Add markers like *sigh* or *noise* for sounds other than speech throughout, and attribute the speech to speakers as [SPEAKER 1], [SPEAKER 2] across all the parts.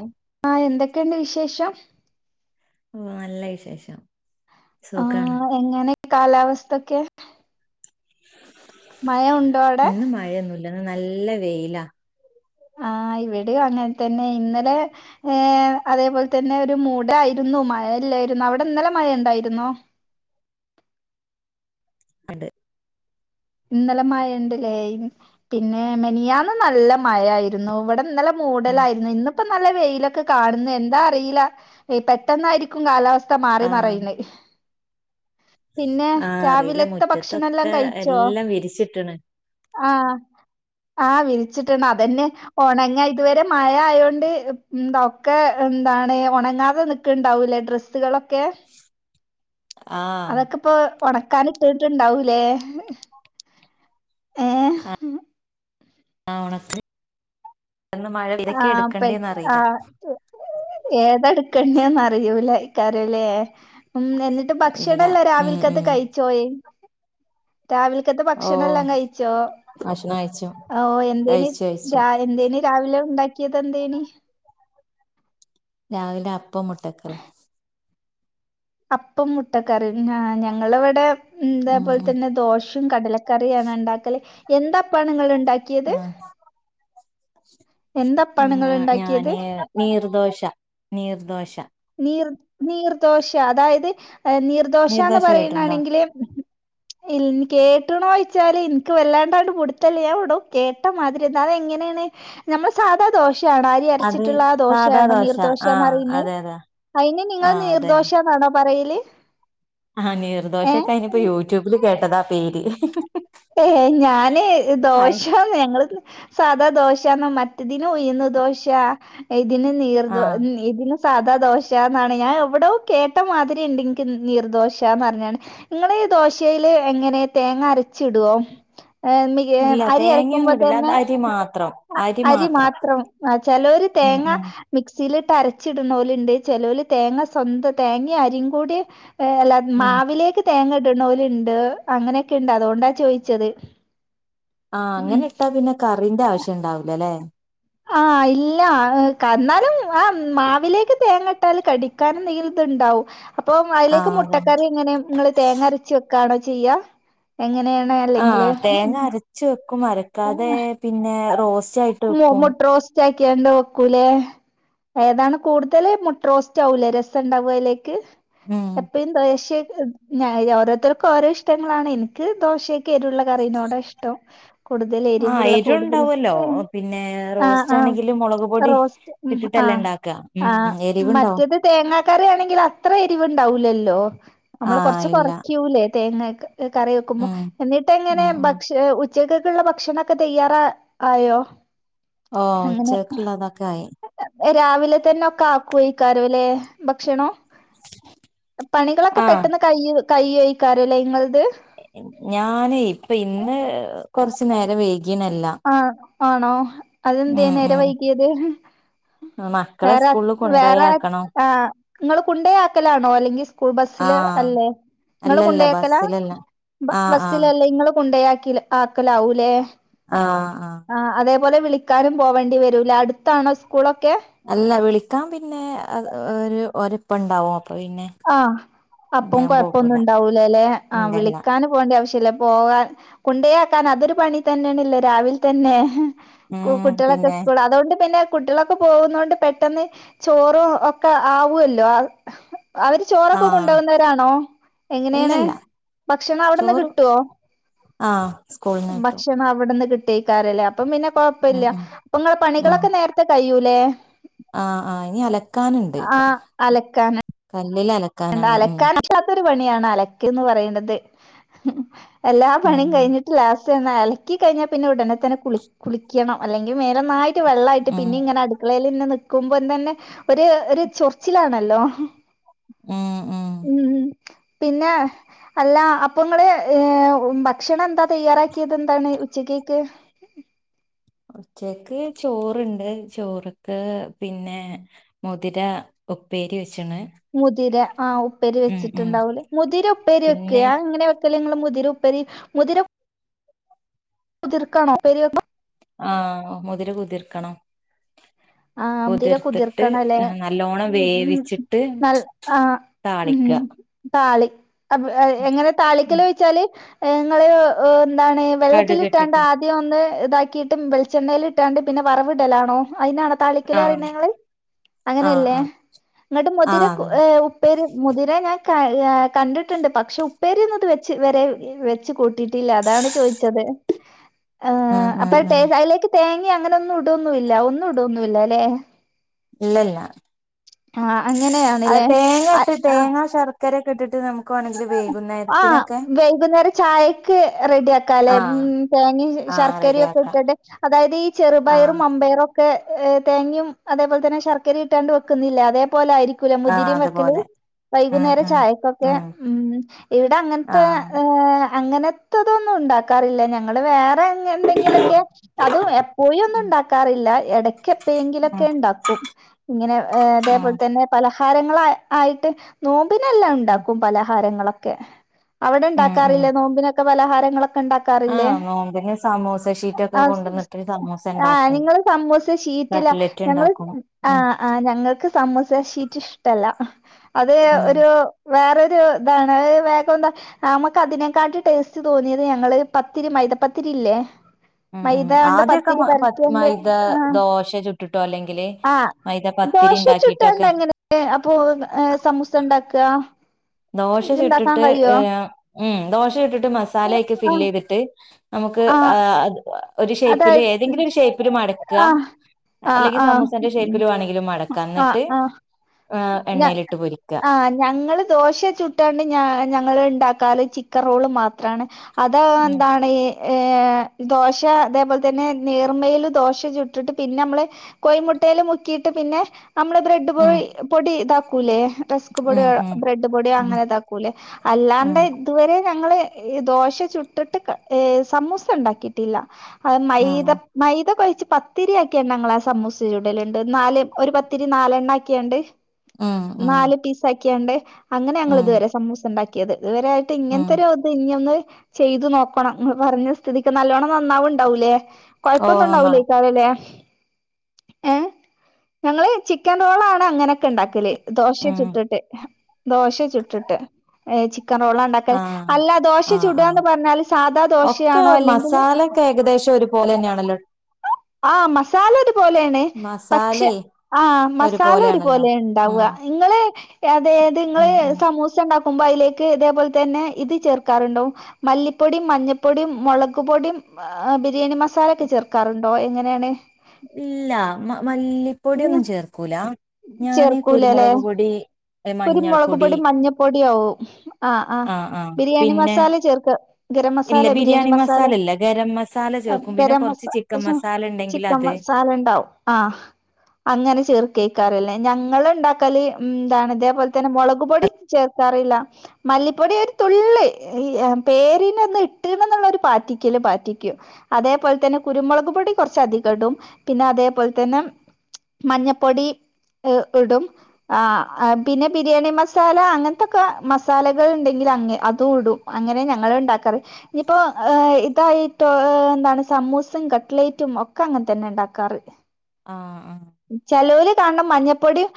[SPEAKER 1] ഉം
[SPEAKER 2] ആ എന്തെക്കെ ഇണ്ട് വിശേഷം
[SPEAKER 1] ഓ നല്ല വിശേഷം സുഖാണ്
[SPEAKER 2] കാലാവസ്ഥ ഒക്കെ മയ ഉണ്ടോ അയുടെ
[SPEAKER 1] ല്ല ഇന്ന് നല്ല വെയിലാ
[SPEAKER 2] ആ ഇവിടെ അങ്ങനെ തന്നെ ഇന്നലെ ഏ അതേപോലെ തന്നെ ഒരു മൂടായിരുന്നു മഴയില്ലായിരുന്നു അവിടെ ഇന്നലെ മഴ ണ്ടായിരുന്നോ
[SPEAKER 1] അഡ്
[SPEAKER 2] ഇന്നലെ മഴ ണ്ടല്ലേ പിന്നെ മെനഞാന്ന് നല്ല മഴയായിരുന്നു ഇവിടെ ഇന്നലെ മൂഡല് ആയിരുന്നു ഇന്നും ഇപ്പ നല്ല വെയിലൊക്കെ കാണുന്നു എന്താ അറിയില്ല പെട്ടെന്നായിരിക്കും കാലാവ ത്ത മാറി
[SPEAKER 1] ആഹ്
[SPEAKER 2] മറയുന്നെ ഇഹ് പിന്നെ
[SPEAKER 1] ആഹ് അറിയില്ല
[SPEAKER 2] രാവിലത്തെ ഭക്ഷണെല്ലാം
[SPEAKER 1] മുറ്റത്തൊക്കെ
[SPEAKER 2] കഴി
[SPEAKER 1] എല്ലാം വിരിച്ച് കിട്ടണ്
[SPEAKER 2] ആ ആ വിരിച്ചിട്ടുണ്ട് അതന്നെ ഉണങ്ങിയ ഇതുവരെ മഴ ആയോണ്ട് ഒക്കെ എന്താണ് ഉണങ്ങാതെ നിക്കണുണ്ടാവൂലേ ഡ്രസ്സുകളൊ ഓക്കേ
[SPEAKER 1] ആഹ്
[SPEAKER 2] അതെക്ക്പ്പൊ ഒണക്കാന് ഇട്ട്ട്ട്ണ്ടാവുലേ ഏ
[SPEAKER 1] ആ ഒണക്ക്
[SPEAKER 2] ആഹ് പെ ആഹ് ഏതാട്ക്കെണ്ട്യേന്നറിയൂല യ്ക്കാരലേ ഉം എന്നിട്ട്
[SPEAKER 1] ഇല്ല
[SPEAKER 2] ഭക്ഷണല്ലോ
[SPEAKER 1] ഉം
[SPEAKER 2] രാവിൽക്കത്തെ
[SPEAKER 1] ഉം
[SPEAKER 2] കയ്ച്ചോയ് രാവിൽക്കത്തെ
[SPEAKER 1] ഓ
[SPEAKER 2] ഭക്ഷണെല്ലാം കയിച്ചോ
[SPEAKER 1] ഭക്ഷണം കഴിച്ചു
[SPEAKER 2] ഓ എന്തേനി
[SPEAKER 1] കഴിച്ചു കഴിച്ചു
[SPEAKER 2] രാ എന്തേനി രാവിലെ ണ്ടാക്കിയെതെന്തേനി
[SPEAKER 1] രാവിലെ അപ്പോം മുട്ടക്കറി
[SPEAKER 2] അപ്പും മുട്ടക്കറിം ആഹ് ഞങ്ങള് വെടെ ഉം തേപോൽ തന്നെ ദോശിം കടലക്കറിയാണെ ണ്ടാക്കല് എന്താ അപ്പാണ് ഇങ്ങള് ഇ ണ്ടാക്കിയത്?
[SPEAKER 1] ഉം ഞാന് നീർദോശ നീർദോശ
[SPEAKER 2] നീർ നീർദോശ അതായത് ഏഹ് നീർദോശാന്ന്
[SPEAKER 1] നീർദോശ കേട്ടുണ്ടോ
[SPEAKER 2] പറയണാണെങ്കില് ഇൽ കേട്ടുണോച്ചാല് ഇൻക്ക് വല്ലാണ്ടാണ്ട് പുടുത്തല്യ ഞാൻ എവിടോ കേട്ട മാതിരി എന്നാ അത് എങ്ങനെയാണ് ഞമ്മള് സാധാ ദോശ് *unintelligible* ആണാ അരി
[SPEAKER 1] അത്
[SPEAKER 2] അരച്ചിട്ടിള്ള ആ
[SPEAKER 1] സാദാ
[SPEAKER 2] ദോശയാണോ
[SPEAKER 1] ദോശ
[SPEAKER 2] നീർ
[SPEAKER 1] ആഹ്
[SPEAKER 2] ദോശാന്നറിയുന്ന്.
[SPEAKER 1] അതെ അതെ
[SPEAKER 2] അയിന് നിങ്ങൾ
[SPEAKER 1] ആഹ് അതന്നെ
[SPEAKER 2] നിർദോശാന്നാണോ പറയല്
[SPEAKER 1] ആഹ്
[SPEAKER 2] ഏ
[SPEAKER 1] നീർദോശൊക്കെ അയിനിപ്പോ യൂട്യൂബില് കേട്ടതാ പേര്
[SPEAKER 2] ഏഹ് ഞാന്
[SPEAKER 1] ആയി
[SPEAKER 2] ദോശാന്ന് ഞങ്ങള് സാധാ ദോശയാന്നാ മറ്റതിനും ഉയുന്ന് ദോശാ ഇ ഇതിന് നീർദോ
[SPEAKER 1] ആഹ്
[SPEAKER 2] ഇതിന് സാധാ ദോശാന്നാണ് ഞാൻ എവിടോ കേട്ട മാതിരിയിണ്ട് ഇൻക്ക് നീർദോശാന്നറഞ്ഞാണ് ഇങ്ങള് ഈ ദോശേല് എങ്ങനെ തേങ്ങ അര ച്ചിടോ? ഏഹ് ഉം യേം
[SPEAKER 1] ഇല്ല
[SPEAKER 2] അരി അരക്കുമ്പോ
[SPEAKER 1] തേങ്ങയൊന്നും ഇടില്ല അത്
[SPEAKER 2] തന്നെ
[SPEAKER 1] അരി മാത്രം
[SPEAKER 2] അരി മാത്രം ചെലോര്
[SPEAKER 1] ഉം
[SPEAKER 2] തേങ്ങ
[SPEAKER 1] ഉം
[SPEAKER 2] മിക്സില് അരച്ചിടണോലുണ്ട് ചെലോല് തേങ്ങ സ്വന്തം തേങ്ങ അരീം കൂടി അല്ല
[SPEAKER 1] ഉം
[SPEAKER 2] മാവിലേക്ക് തേങ്ങ ഇട്ണോലുണ്ട് അങ്ങനെ ഒക്കെയിണ്ട്. അതുകൊണ്ടാ ചോയിച്ചത്.
[SPEAKER 1] ആ
[SPEAKER 2] ഉം
[SPEAKER 1] അങ്ങനെ ഇട്ടാ പിന്നെ കർ റിന്റെ ആവശ്യംണ്ടാവുല ലെ?
[SPEAKER 2] ആ ഇല്ല കന്നാലും. ആ മാവിലേക്ക് തേങ്ങട്ടാല് കടിക്കാനും നെയ്ൽത്ണ്ടാവും. അപ്പൊ അയിലേക്ക്
[SPEAKER 1] ആഹ്
[SPEAKER 2] മുട്ടക്കറി
[SPEAKER 1] അതന്നെ
[SPEAKER 2] എങ്ങനെ ഇങ്ങള് തേങ്ങരച്ച് വെക്കാണോ? ചെയ്യാ എങ്ങനെ?
[SPEAKER 1] ആഹ് തേങ്ങ അരച്ചു വെക്കും അരക്കാതെ
[SPEAKER 2] ഉം
[SPEAKER 1] പിന്നെ റോസ് ച്ചായിട്ട് വെക്കും.
[SPEAKER 2] ചാക്കിയാണ്ട് വെക്കൂലെ ഏതാണ് കൂടുതല് മുട്ടറോസ്റ്റാവൂലെ രസണ്ടാവ അതിലേക്ക്.
[SPEAKER 1] ഉം
[SPEAKER 2] എപ്പഴന്താശ്യേ ഇന്നായോ ഓരോരുത്തർക്കും ഓരോ ഇഷ്ടങ്ങളാണെ ഇൻക്ക് ദോശയ് ൻക്കെരുള്ള കറീനോടാ ഇഷ്ട്ടം കൂടുതല്
[SPEAKER 1] ആഹ്
[SPEAKER 2] എരിവുള്ള
[SPEAKER 1] എരു
[SPEAKER 2] കൂടുതല്
[SPEAKER 1] ഉണ്ടാവല്ലോ
[SPEAKER 2] ഏയ്‌
[SPEAKER 1] പിന്നെ
[SPEAKER 2] ആഹ്
[SPEAKER 1] റോസ്റ്റ്
[SPEAKER 2] ആഹ്
[SPEAKER 1] ആണെങ്കില് മുളക് പൊടി
[SPEAKER 2] റോസ്റ്റ് മ്
[SPEAKER 1] ഇട്ടിട്ടല്ലേ
[SPEAKER 2] ആഹ്
[SPEAKER 1] ഇണ്ടാക്ക ഉം
[SPEAKER 2] ആഹ്
[SPEAKER 1] എരിവുണ്ടാവും
[SPEAKER 2] മറ്റേത് തേങ്ങാ കറ്യാണങ്കില് അത്ര എരിവ്ണ്ടാവൂല ല്ലോ നമ്മള്
[SPEAKER 1] ആഹ്
[SPEAKER 2] കൊറച്ച്
[SPEAKER 1] ഇല്ല
[SPEAKER 2] കൊറക്ക്യൂലേ തേങ്ങക്ക് ക്ക് കറിവെക്കുമ്പോ
[SPEAKER 1] ഉം
[SPEAKER 2] എന്നിട്ടെങ്ങനെ
[SPEAKER 1] ഉം ഉം
[SPEAKER 2] ഭക്ഷ ഉച് ഉച്ചക്കെക്ക്ള്ള ഭക്ഷണൊക്കെ തയ്യാറ ആയോ
[SPEAKER 1] ഓ
[SPEAKER 2] അങ്ങനെ
[SPEAKER 1] ഉച്ചക്ക്ള്ളതൊക്കായി
[SPEAKER 2] രാവിലെ തന്നെ ഒക്കെ ആക്കേയ്ക്കാരോം ലേ ഭക്ഷണം പണികളൊക്കെ പെട്ടെന്ന് കയ്യ് കൈയ്യൊയ്കാരം ലേ ഇങ്ങൾ
[SPEAKER 1] ഞാനെ ഇപ്പി ഇന്ന് കൊറച്ച്നേരം വെയ്കി ജി നെല്ല
[SPEAKER 2] ആണോ അതെന്തെ നേരം വൈകിയത്
[SPEAKER 1] മക്കളെ
[SPEAKER 2] വേറെ
[SPEAKER 1] സ്കൂളിൽ
[SPEAKER 2] വേറെ
[SPEAKER 1] കൊണ്ടോയാക്കണം
[SPEAKER 2] ആ നിങ്ങള് കൊണ്ടയാക്കലാണോ അല്ലെങ്കി സ്കൂൾ ബസില്
[SPEAKER 1] ആഹ്
[SPEAKER 2] അല്ലേ ഇങ്ങള്
[SPEAKER 1] അല്ലല്ല
[SPEAKER 2] കൊണ്ടയാക്കലാ
[SPEAKER 1] ബസ്സിലല്ല
[SPEAKER 2] ബ
[SPEAKER 1] ആഹ്
[SPEAKER 2] ബസ്സില്
[SPEAKER 1] ആഹ്
[SPEAKER 2] അല്ലെ ഇങ്ങള് കൊണ്ടയാക്കി ആക്കലാവൂലേ
[SPEAKER 1] ആഹ് ആഹ്
[SPEAKER 2] ആ അതേ പോലെ വിളിക്കാനും പോകേണ്ടി വരൂല്ല അടുത്താണോ സ്കൂളൊക്കെ
[SPEAKER 1] അല്ല വിളിക്കാൻ പിന്നെ ഒരു ഒരപ്പണ്ടാവും
[SPEAKER 2] ആഹ് അപ്പം കൊഴപ്പൊന്നും
[SPEAKER 1] പോകൂല
[SPEAKER 2] ഉണ്ടാവൂല അല്ലെ ആഹാ
[SPEAKER 1] ഇല്ലല്ല
[SPEAKER 2] വിളിക്കാാന് പോകേണ്ട ആവശ്യ ചില പോകാൻ കുണ്ടയാക്കാൻ അതൊരു പണി തന്നെയണല്ലോ രാവിലെ തന്നെ
[SPEAKER 1] ഉം
[SPEAKER 2] കുട്ടികളൊക്കെ
[SPEAKER 1] പിന്നെ
[SPEAKER 2] സ്കൂൾ അതുകൊണ്ട് പിന്നെ കുട്ടികളൊക്കെ പോകുന്ന കൊണ്ട് പെട്ടെന്ന് ചോറും ഒക്കെ ആവുല്ലോ അവര് ചോറൊക്കെ കൊണ്ടു
[SPEAKER 1] ആഹ്
[SPEAKER 2] പോവുന്നവരാണോ എങ്ങനെയാണ്
[SPEAKER 1] ഇല്ലല്ല
[SPEAKER 2] ഭക്ഷണം അവിടെന്ന്
[SPEAKER 1] ചോറ്
[SPEAKER 2] കിട്ടുവോ
[SPEAKER 1] ആഹ് സ്കൂളിന്ന് കിട്ടും
[SPEAKER 2] ഭക്ഷണം അവിടുന്ന് കിട്ടും ക്കാറല്ലാം അപ്പം പിന്നെ
[SPEAKER 1] ഉം
[SPEAKER 2] കൊഴപ്പമില്ല
[SPEAKER 1] ഉം
[SPEAKER 2] അപ്പൊ നിങ്ങളെ
[SPEAKER 1] ഉം
[SPEAKER 2] പണികളൊക്കെ നേരത്തെ കഴിയൂലേ
[SPEAKER 1] ആഹ് ആഹ് ഇനി അലക്കാനുണ്ട്
[SPEAKER 2] ആ അലക്കാന
[SPEAKER 1] ഉള്ളിൽ അലക്കാനാണ് ഉം
[SPEAKER 2] ഒരു പണിയാണ് അലക്ക്ന്ന് പറയണത് എല്ലാ പണിയും
[SPEAKER 1] ഉം
[SPEAKER 2] കഴിഞ്ഞിട്ട് ലാസ്റ്റ് പിന്ന അലക്കി കഴിഞ്ഞാൽ പിന്നെ ഉടനെ തന്നെ കുളി കുളിക്കണം അല്ലെങ്കിൽ മേലെന്ന് വെള്ളമായിട്ട്
[SPEAKER 1] ഉം
[SPEAKER 2] പിന്ന ഇങ്ങനെ അടുക്കളയിൽ തന്നെ നി ക്കുമ്പോ തന്നെ ഒരു ചൊർച്ചിലാണല്ലോ
[SPEAKER 1] ഉം ഉം
[SPEAKER 2] പിന്നെ അല്ല അപ്പങ്ങള് ഏ ഭക്ഷണം എന്താ തയ്യാറാക്കിയത് എന്താണ് ഉച്ച ഉച്ചക്കത്തേക്ക്
[SPEAKER 1] ഉച്ചക്ക് ചോറുണ്ട് ചോറൊക്കെ പിന്നെ മുതിര ഉപ്പേരി വെച്ച്
[SPEAKER 2] മുതിര ആ ഉപ്പേരി
[SPEAKER 1] ഉം ഉം
[SPEAKER 2] വെച്ചിട്ടുണ്ടാവലേ മുതിര ഉപ്പേരി വെക്കുക
[SPEAKER 1] പിന്നെ
[SPEAKER 2] അത് എങ്ങനെ വെക്ക നിങ്ങൾ മുതിര മുതിര കുതിർക്കണോ ഉപ്പേരി
[SPEAKER 1] ആ മുതിര കുതിർക്കണം
[SPEAKER 2] ആ മുതിര
[SPEAKER 1] കുതിർത്തിട്ട്
[SPEAKER 2] കുതിർക്കണല്ലേ
[SPEAKER 1] ഏ, നല്ലോണം
[SPEAKER 2] ഉം ഉം
[SPEAKER 1] വേവിച്ചിട്ട്
[SPEAKER 2] നല്ല ആ മ്
[SPEAKER 1] താളിക്ക
[SPEAKER 2] താളി അ എങ്ങനെ
[SPEAKER 1] ഉം
[SPEAKER 2] താളിക്കല് വെച്ചാല് നിങ്ങള് എന്താണ് വെള്ളത്തിട്ടാണ്ട
[SPEAKER 1] കടുകിട്ടിട്ട്
[SPEAKER 2] ആദ്യം ഒന്ന് ഇതാക്കിയിട്ടും വെളിച്ചെണ്ണൽ ഇിട്ടാണ്ട് പിന്നെ വറവിടലാണോ അതിന താളിക്കല്
[SPEAKER 1] ആ
[SPEAKER 2] പറേണങ്ങള്
[SPEAKER 1] ആ
[SPEAKER 2] അങ്ങനെയല്ലേ
[SPEAKER 1] ആ
[SPEAKER 2] ഇങ്ങട്ട്
[SPEAKER 1] ആ
[SPEAKER 2] മുതിര കൂ
[SPEAKER 1] അതെ
[SPEAKER 2] ഉപ്പേരി മുതിര ഞാൻ കണ്ടിട്ടുണ്ട് പക്ഷെ ഉപ്പേരിയൊന്നും ഇത് വെച്ച് വെരെ വെച്ച് കൂട്ടീട്ടില്ല അതാണ് ചോയിച്ചത് ഏ
[SPEAKER 1] ഉം ഉം
[SPEAKER 2] അപ്പതില്
[SPEAKER 1] ഉം
[SPEAKER 2] തേങ്ങ അയിലേക്ക് തേങ്ങിയര അങ്ങനൊന്നും ഇടൊന്നുല്ല ഒന്നുടു ടൊന്നുല്ല ല്ലേ
[SPEAKER 1] ഇല്ല ഇല്ല
[SPEAKER 2] ആ അങ്ങനെയാണ് ലേ
[SPEAKER 1] ഇട്ട് തേങ്ങ ശർക്കരൊക്കെ ഇട്ടിട്ട് നമക്ക് വേണെങ്കില് വെയ്
[SPEAKER 2] ആ വെയ്കുന്നേരം ചായക്ക് റെഡിയാക്ക ല്ലെ
[SPEAKER 1] ആ
[SPEAKER 2] ഉം തേങ്ങിം
[SPEAKER 1] ആ
[SPEAKER 2] ശർക്കരിയൊക്കെ
[SPEAKER 1] റെഡിയാക്കാം
[SPEAKER 2] ഇട്ടിട്ട് അതായത് ഈ
[SPEAKER 1] ആ
[SPEAKER 2] ചെറുപയറും മമ്പയറൊക്കെ ഏ തേങ്ങയും അതേപോലെ തന്നെ ശർക്കരിയും ഇട്ടാണ്ട് വെക്കുന്നില്ലേ അതേ പോലായിരിക്കൂ ലെ
[SPEAKER 1] ആ
[SPEAKER 2] മുതിരിയും വെക്കല്
[SPEAKER 1] അതുപോലെ ഉം
[SPEAKER 2] വൈകുന്നേരം
[SPEAKER 1] ഉം
[SPEAKER 2] ചായക്കൊക്കെ ഉം ഇവിടെ അങ്ങനത്തെ
[SPEAKER 1] ആഹ്
[SPEAKER 2] ഏ അങ്ങനത്തതൊന്നും ണ്ടാക്കാറില്ല ഞങ്ങള് വേറെ എ എന്തെങ്കിലൊക്കെ അതും എപ്പോയും ഒന്നും
[SPEAKER 1] ഉം
[SPEAKER 2] ണ്ടാക്കാറില്ല എടയ്ക്കെ പ്പേങ്കിലൊക്കെ ണ്ടാക്കും ഇങ്ങനെ ഏ തേ പോലെ
[SPEAKER 1] ആഹ്
[SPEAKER 2] തന്നെ പലഹാ ഹാരങ്ങള് ആ ആയിട്ട് നോ മ്പിന്നെല്ലാം
[SPEAKER 1] ഉം
[SPEAKER 2] ഉണ്ടാക്കും പലഹാരങ്ങളൊ ക്കെ അവിടെ
[SPEAKER 1] ഉം ഉം ഉം
[SPEAKER 2] ണ്ടാക്കാറില്ലെ നോമ്പിനെ ക്കെ പലഹാരങ്ങളൊക്ക്‌ ക്ക ണ്ടാക്കാറില്ലേ
[SPEAKER 1] ആഹ് നോമ്പിന് സമൂസ ഷീറ്റൊക്കെ
[SPEAKER 2] അ
[SPEAKER 1] കൊണ്ടുവന്നിട്ട് സമൂസ
[SPEAKER 2] ആ
[SPEAKER 1] ഉണ്ടാക്കും
[SPEAKER 2] നിങ്ങള് സമ്മൂസ ഷീറ്റിലാ
[SPEAKER 1] കട്ട്ലറ്റ്
[SPEAKER 2] ഞങ്ങള്
[SPEAKER 1] ഉണ്ടാക്കും
[SPEAKER 2] ആ
[SPEAKER 1] ഉം
[SPEAKER 2] ആ ഞങ്ങൾക്ക് സമ്മൂസ ഷീറ്റ് ഇഷ്ടല്ല അത്
[SPEAKER 1] ഉം
[SPEAKER 2] ഒരു വേറോരു താണ് ഞങ്ങള് വേഗം എന്താ നമക്ക് അതിനെക്കാട്ടി ടേസ്റ്റ് തോന്നിയത് ഞങ്ങള് പത്തിരി മൈദപ്പത്തിരി ഇല്ലേ
[SPEAKER 1] ഉം ഉം
[SPEAKER 2] മൈദ കൊണ്ട്
[SPEAKER 1] ആദ്യൊക്കെ
[SPEAKER 2] പത്തിരി
[SPEAKER 1] പ
[SPEAKER 2] പരത്തിയാണ്ട്
[SPEAKER 1] മൈദ
[SPEAKER 2] ആ
[SPEAKER 1] ദോശ ചുട്ടിട്ടോ അല്ലെങ്കില്
[SPEAKER 2] ആ
[SPEAKER 1] മൈദ പത്തിരി
[SPEAKER 2] ദോശ ചുട്ടാണ്ട്
[SPEAKER 1] ഉണ്ടാക്കിട്ടൊക്കെ
[SPEAKER 2] എങ്ങനെ അപ്പൊ സമൂസ ണ്ടാക്ക
[SPEAKER 1] ദോശ ചുട്ടിട്ട് ഏ ഉം ദോശ ചുട്ടി ട്ട് മസാല ഒക്കെ ഫില്ലെയ്തിട്ട് നമുക്ക്
[SPEAKER 2] ആഹ്
[SPEAKER 1] ആ ഒരു ഷേപ്പില്
[SPEAKER 2] അതായത്
[SPEAKER 1] ഏതെങ്കിലും ഒരു ഷേപ്പില് മടക്കുക
[SPEAKER 2] ആഹ് ആഹ്
[SPEAKER 1] അല്ലെങ്കില് സമൂസന്റെ
[SPEAKER 2] ആഹ്
[SPEAKER 1] ഷേപ്പില് വാണെങ്കിലും മടക്കാ
[SPEAKER 2] ആഹ്
[SPEAKER 1] ന്നട്ട്
[SPEAKER 2] ആഹ് ഞാ
[SPEAKER 1] എണ്ണയിലിട്ട് പൊരിക്ക
[SPEAKER 2] ട്ടാണ്ട് ഞ ഞങ്ങള് ണ്ടാക്കാറ് ചിക്കൻ റോള് മാത്രാണ് അത്
[SPEAKER 1] ഉം
[SPEAKER 2] എന്താണ് ഏഹ് ഏ ദോശ അതേ പോലെ തന്നെ നീർ നെയ്യില് ദോശ ചുട്ടിട്ട് പിന്നെ ഞമ്മള് കോയിമുട്ടേല് മുക്കിയിട്ട് പിന്നെ അമ്മള് ബ്രഡ്
[SPEAKER 1] ഉം
[SPEAKER 2] പൊയി പൊടി താ ക്കൂലേ റസ്ക്
[SPEAKER 1] ഉം
[SPEAKER 2] പൊടിയോ
[SPEAKER 1] ഉം
[SPEAKER 2] ബ്രെഡ്
[SPEAKER 1] ഉം
[SPEAKER 2] പൊടിയങ്ങനെ ഇതാക്കൂല്ലേ അല്ലാണ്ട്
[SPEAKER 1] ഉം
[SPEAKER 2] ഇതുവരെ ഞങ്ങള് ദോശ ചുട്ടിട്ട് ക ഏ സമൂസ ഉണ്ടാക്കിട്ടില്ല അ
[SPEAKER 1] ഉം
[SPEAKER 2] മൈദ മൈദ കൊയച്ച് പത്തിരിയാക്കിയ ഞങ്ങള് സമൂസ ചുടൽണ്ട് നാല് ഒരു പത്തിരി നാലെണ്ണ ആക്കിയണ്ട്
[SPEAKER 1] ആ ആ
[SPEAKER 2] ക്യണ്ട് അങ്ങനെ ഞങ്ങൾ ഇതുവരെ സമൂസ ഇണ്ടാ ക്കെത് ഇതുവരായിട്ട്
[SPEAKER 1] ഉം
[SPEAKER 2] ഇങ്ങനത്തൊരു ഇത് ഇനിയൊന്ന് ചെയ്തു നോക്കണം നിർ പറഞ്ഞ സ്ഥിതിക്ക് നല്ലോണം നന്നാവു ഉണ്ടാവുലേ
[SPEAKER 1] ഓ
[SPEAKER 2] കൊഴപ്പൊന്നും
[SPEAKER 1] നന്നാ
[SPEAKER 2] ഉണ്ടാവൂലേ ഇക്കാവെല്ലേ എ ഞങ്ങള് ചിക്കൻ റോളാണ് അങ്ങനെക്കെ ഇണ്ടാക്കല് ദോശ
[SPEAKER 1] ഉം
[SPEAKER 2] ചുട്ടിട്ട് ദോശ ചുട്ടിട്ടു ചി ചിക്കൻ റോളാ ഉണ്ടാക്കൽ
[SPEAKER 1] ആഹ്
[SPEAKER 2] അല്ല ദോശ ചുടുകന്ന് പറഞ്ഞാൽ സാധാ ദോശ്
[SPEAKER 1] ക്ക് മസാലെക്കെ ഏകദേശം ഒരുപോലെന്നെയാണല്ലോ
[SPEAKER 2] ആ മസാല ഇട് പോലെണ് പക്ഷെ
[SPEAKER 1] മസാലയേ
[SPEAKER 2] ആ മസാല
[SPEAKER 1] ഒരുപോലെയാണല്ലോ
[SPEAKER 2] ഒരുപോലെയ ഇണ്ടാവുക
[SPEAKER 1] ഉം
[SPEAKER 2] നിങ്ങള് യതേത് ങ്ങള്
[SPEAKER 1] ഉം ഉം
[SPEAKER 2] സമൂസ ഇണ്ടാ മുംബൈയിലേക്ക് ഇതേപോലെ തന്നെ ഇത് ചേർക്കാറുണ്ടോ. മല്ലിപ്പൊടീം മഞ്ഞപ്പൊടീം മുളക് പൊടീം പിൻ ബിരിയണി മാലക്കെ ചേർക്കാറ് ട്ടോ എങ്ങനെയാണ്
[SPEAKER 1] ഇല്ല മ
[SPEAKER 2] ഉം
[SPEAKER 1] മല്ലിപ്പൊടിയൊന്നും ചേർക്കൂല ഞാന്
[SPEAKER 2] ചേർക്കൂലല്ലേ
[SPEAKER 1] കുരുമുളക് പൊടി ഏ,
[SPEAKER 2] കുരുമുളക്
[SPEAKER 1] മഞ്ഞൾപ്പൊടി
[SPEAKER 2] പൊടി മഞ്ഞപ്പൊടി ആവും ആ ആ
[SPEAKER 1] ആഹ് ആഹ്
[SPEAKER 2] ബിരിയാണി
[SPEAKER 1] പിന്നെ
[SPEAKER 2] മസാല ചേർക്ക് *inaudible* ഗരം
[SPEAKER 1] ഇല്ല
[SPEAKER 2] മസാലെ ബിരിയാണി മസാലെ
[SPEAKER 1] മസാല ഇല്ല ഗരം മസാല ചേർക്കും പിന്നെ
[SPEAKER 2] ഗരംമസ
[SPEAKER 1] കുറച്ച്
[SPEAKER 2] *unintelligible*
[SPEAKER 1] ചിക്കൻ
[SPEAKER 2] എശം
[SPEAKER 1] മസാല ഉണ്ടെങ്കിൽ
[SPEAKER 2] ചിക്കൻ
[SPEAKER 1] അത്
[SPEAKER 2] മസാല ഇണ്ടാവും ആഹ് അങ്ങനെ ചേർ കേൾക്കാറില്ലേ ഞങ്ങള് ഇണ്ടാക്കല് എന്താണ് ഇതേപൊലെ തന്നെ മൊളക് പൊടി ചേർക്കാറില്ല മല്ലിപ്പൊടി ഒരു തുള്ളി പേരിന് ഒന്ന് ഇട്ടിന്നന്നുള്ളൊരു പാറ്റിക്കല് പാറ്റിക്കും അതേപോലെ തന്നെ കുരുമുളക് പൊടി കുറച്ചധികം ഇടും പിന്നെ അതേപോലെ തന്നെ മഞ്ഞ പൊടി ഇടും ആ പിന്നെ ബിരിയാണി മസാല അങ്ങനത്തൊക്കെ മസാലകൾ ഇണ്ടെങ്കിൽ അങ്ങ് അതും ഇടും അങ്ങനെ ഞങ്ങള് ഇണ്ടാക്കാറ് ഇനിയിപ്പോ ഇതായിട്ടോ എന്താണ് സമൂസെം കട്ട്ലേറ്റും ഒക്കെ അങ്ങനെ തന്നെ ഇണ്ടാക്കാറ്
[SPEAKER 1] ആഹ് ആഹ്
[SPEAKER 2] ചെലോൽ കാണ്ണ മഞ്ഞപ്പൊടിം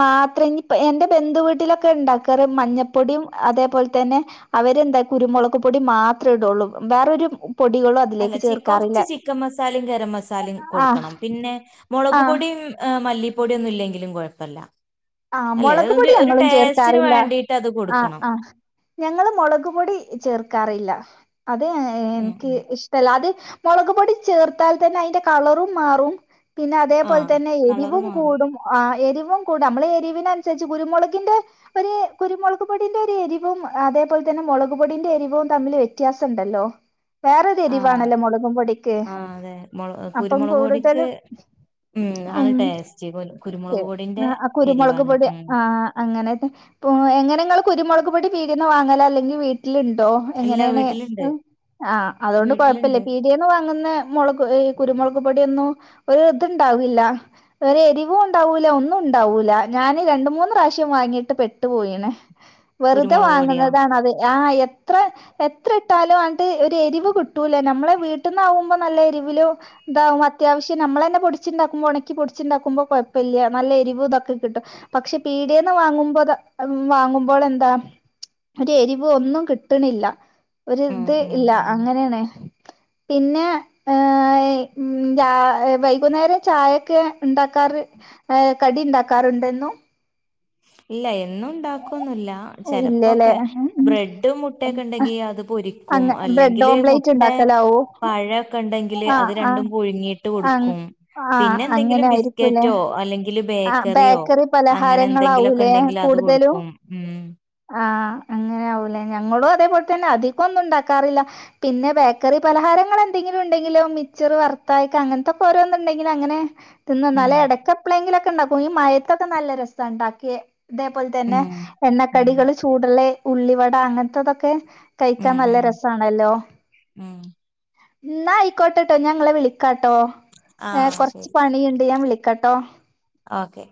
[SPEAKER 2] മാത്രം ഇനിപ്പ് എന്റെ ബന്ധുവീട്ടിലൊക്കെ ഉണ്ടാക്കാറ് മഞ്ഞപ്പൊടിയും അതേപോലെ തന്നെ അവരെന്താ കുരുമുളക് പൊടിം മാത്രെ ഇടുള്ളൂ വെറൊരു
[SPEAKER 1] അല്ല ചിക്കൊ കൊറച്ച് ചിക്കൻ മസാലയും ഗരം മസാലയും
[SPEAKER 2] ആഹ്
[SPEAKER 1] കൊടുക്കണം പിന്നെ മുളക്
[SPEAKER 2] ആഹ്
[SPEAKER 1] പൊടിം മല്ലിപ്പൊടിയൊന്നും ഇല്ലെങ്കിലും കുഴപ്പല്ല
[SPEAKER 2] ആ
[SPEAKER 1] അല്ലെ
[SPEAKER 2] മുളക്
[SPEAKER 1] അതൊരു
[SPEAKER 2] പൊടി
[SPEAKER 1] ഒരു
[SPEAKER 2] ഞങ്ങളും
[SPEAKER 1] ടേസ്റ്റിന്
[SPEAKER 2] ചേർക്കാറില്ല
[SPEAKER 1] വേണ്ടിട്ട് അത്
[SPEAKER 2] ആ
[SPEAKER 1] കൊടുക്കണം
[SPEAKER 2] ആ ഞങ്ങള് മുളക് പൊടി ചേർക്കാറില്ല അതെ
[SPEAKER 1] ഉം
[SPEAKER 2] എനിക്ക്
[SPEAKER 1] ഉം
[SPEAKER 2] ഇഷ്ടല്ല അത് മുളക് പൊടി ചേർത്താൽ തന്നെ അതിന്റെ കളറും മാറും പിന്നെ അതേപോലെ
[SPEAKER 1] ആഹ്
[SPEAKER 2] തന്നെ
[SPEAKER 1] കളറ്
[SPEAKER 2] എരിവും
[SPEAKER 1] മാറും
[SPEAKER 2] കൂടും ആ *unintelligible* *unintelligible* കൂടെ നമ്മളെ എരിവിനനുസരിച്ച് കുരുമുളകിന്റെ ഒരു കുരുമുളക് പൊടിന്റെ ഒരു എരിവും അതേപോലെ തന്നെ മുളക്പൊടിന്റെ എരിവും തമ്മില് വ്യത്യാസം ഉണ്ടല്ലോ വേറൊരു എരിവാണല്ലോ മുളകും പൊടിക്ക്
[SPEAKER 1] ആഹആ അതെ മുള
[SPEAKER 2] അപ്പം
[SPEAKER 1] കുരുമുളക് പൊടിക്ക്
[SPEAKER 2] കൂടുതലും
[SPEAKER 1] ഉ ആണ്
[SPEAKER 2] ഉം
[SPEAKER 1] ടേസ്റ്റ് *unintelligible* പൊടിന്റെ
[SPEAKER 2] കുരുമുളക്
[SPEAKER 1] എരിവാണ്
[SPEAKER 2] പൊടി
[SPEAKER 1] ഉം
[SPEAKER 2] ആ അങ്ങനെ എങ്ങനെ നിങ്ങൾ കുരുമുക് പൊടി വാങ്ങല് *unintelligible* അല്ലെങ്കിൽ വീട്ട *unintelligible* *unintelligible* ൺ
[SPEAKER 1] എല്ലാ
[SPEAKER 2] ണ്ടോഎങ്ങനെയാണ്
[SPEAKER 1] വീട്ടിലുണ്ട്
[SPEAKER 2] ആ ആ അതുകൊണ്ട് കുഴപ്പില്ല
[SPEAKER 1] വീട്ടിലുണ്ട്
[SPEAKER 2] പീടികേന്ന് *unintelligible* ഞങൾ അന്ന് മുളക് കുരുമുളക് പൊടിഒന്നും ഒരിടതുമുണ്ടാവില്ല. വെറെ എരിവും *unintelligible* ഉണ്ടാവൂല ഒന്നും ഉണ്ടാവൂല ഞാൻ രണ്ട മൂന്ന് പ്രാവശ്യം വാങ്ങിട്ട് പെട്ടു പോയിണെ വെറുതെ
[SPEAKER 1] കുരുമുളക് പൊടിയാ
[SPEAKER 2] വാങ്ങുന്നതാണ്അത് ആ എത്ര എത്ര ഇട്ടാലും ആൻറ്റിഒരു എരിവ് കിട്ടൂലേ നമ്മളെ വീട്ടിൽ നിന്നാവുമ്പോൾ നല്ല എരിവിലും ഇതാവും അത്യാവശ്യം നമ്മള തന്നെ പൊടിച്ചുണ്ടാക്കുമ്പോൾ ഉണക്കി പൊടിച്ചുണ്ടാക്കുമ്പോ *unintelligible* നല്ല എരിവ് ഇതൊക്കെ കിട്ടും പക്ഷെ പീടികേന്ന് വാങ്ങുമ്പോ വാങ്ങുമ്പോൾ എന്താ ഒരു എരിവ് ഒന്നും കിട്ടണില്ല
[SPEAKER 1] ഉം ഉം
[SPEAKER 2] ഒരുഇത്ഇല്ല
[SPEAKER 1] ഉം
[SPEAKER 2] അങ്ങനെയാണേ പിന്നെ ഏ വൈകുന്നേരം ചായൊക്കെ ഉണ്ടാക്കാറ് ഏ കടി ഉണ്ടാക്കാറുണ്ടെന്നോ
[SPEAKER 1] ഇല്ല എന്നും ഉണ്ടാക്കൊന്നില്ല
[SPEAKER 2] ഇല്ലല്ലേ
[SPEAKER 1] ചിലപ്പോക്കെ ബ്രെഡും മുട്ടയക്കെ ഉണ്ടെങ്കി അത് പൊരിക്കും
[SPEAKER 2] അങ്ങ ബ്രെഡ്
[SPEAKER 1] അല്ലെങ്കില്
[SPEAKER 2] ഓംലേറ്റ്
[SPEAKER 1] മുട്ട
[SPEAKER 2] ഉണ്ടാക്കലാവോ
[SPEAKER 1] പഴൊക്കെ ഉണ്ടെങ്കില് അത്
[SPEAKER 2] ആഹ് ആഹ്
[SPEAKER 1] രണ്ടും പുഴുങ്ങിട്ട്
[SPEAKER 2] ആഹ്
[SPEAKER 1] കൊടുക്കും പിന്നെ എന്തെങ്കിലും ബിസ്ക്കറ്റോ അല്ലെങ്കിൽ
[SPEAKER 2] ആ
[SPEAKER 1] ബേക്കറിയോ
[SPEAKER 2] ബേക്കറി
[SPEAKER 1] അങ്ങനെ
[SPEAKER 2] പലഹാരങ്ങൾ
[SPEAKER 1] എന്തെങ്കിലുമൊക്കെ ഉണ്ടെങ്കിൽ അത് കൊടുക്കും ഉം
[SPEAKER 2] അങ്ങനെയ ആാവൂല്ലേ ഞങ്ങളും അതേപോലെ തന്നെ അധികം ഒന്നും ഉണ്ടാക്കാറില്ല പിന്നെ ബേക്കറി പലഹാരങ്ങ എന്തെങ്കിലും ഉണ്ടെങ്കിലോ മക്ച്ചർ വർത്തായക്ക് അങ്ങനത്തെക്ക ഓരോന്ന ഉണ്ടെങ്കിലും അങ്ങനെ
[SPEAKER 1] ഉം
[SPEAKER 2] ന്നാലല്ല ഇടക്ക്പ്പഴെങ്കിലുമൊക്കെ ഉണ്ടാക്കും ഈ മയത്തൊക്കെ നല്ല രസം ഉണ്ടാക്കിയ അതേപോലെ തന്നെ
[SPEAKER 1] ഉം ഉം
[SPEAKER 2] എണ്ണക്കടികള് ചൂടള്ള ഉള്ളിവട അങ്ങനത്തെതൊക്കെ
[SPEAKER 1] ഉം
[SPEAKER 2] കഴിക്കാൻ നല്ല
[SPEAKER 1] ഉം
[SPEAKER 2] രസണല്ലോ
[SPEAKER 1] ഉം
[SPEAKER 2] എന്നാൽ ആയിക്കോട്ടെട്ടോ ഞങ്ങളെ വിളിക്കാട്ടോ
[SPEAKER 1] ആ
[SPEAKER 2] ഏ കൊറച്ച്
[SPEAKER 1] ശരി
[SPEAKER 2] പണിയുണ്ട് ഞാൻ വിളിക്കട്ടോ
[SPEAKER 1] ഓക്കെ